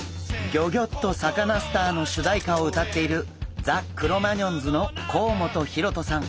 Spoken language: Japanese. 「ギョギョッとサカナ★スター」の主題歌を歌っているザ・クロマニヨンズの甲本ヒロトさん。